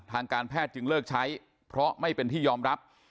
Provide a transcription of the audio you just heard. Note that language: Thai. ทางการแพทย์จึงเลิกใช้เพราะไม่เป็นที่ยอมรับ